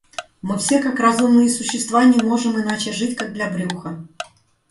Мы все, как разумные существа, не можем иначе жить, как для брюха.